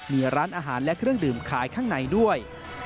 มีร้านอาหารและเครื่องดื่มขายข้างในด้วย